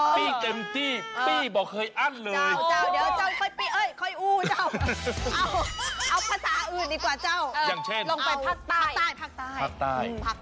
ปี้เต็มที่ปี้บอกเคยอั้นเลย